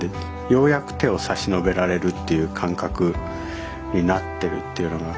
ようやく手を差し伸べられるっていう感覚になってるっていうのが。